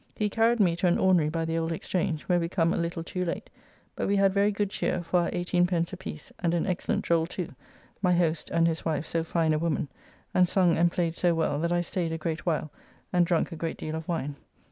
He carried me to an ordinary by the Old Exchange, where we come a little too late, but we had very good cheer for our 18d. a piece, and an excellent droll too, my host, and his wife so fine a woman; and sung and played so well that I staid a great while and drunk a great deal of wine.